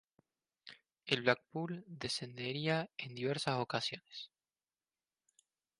El Blackpool descendería en diversas ocasiones.